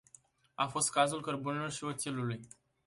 A fost cazul cărbunelui și oțelului.